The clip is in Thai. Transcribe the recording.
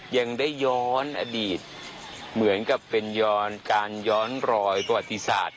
ยังได้ย้อนอดีตเหมือนกับเป็นย้อนการย้อนรอยประวัติศาสตร์